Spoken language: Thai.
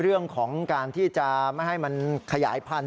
เรื่องของการที่จะไม่ให้มันขยายพันธุ